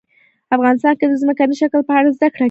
افغانستان کې د ځمکنی شکل په اړه زده کړه کېږي.